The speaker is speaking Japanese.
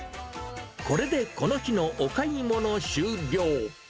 これでこの日のお買いもの終了。